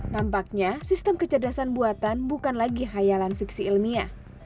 nampaknya sistem kecerdasan buatan bukan lagi hayalan fiksi ilmiah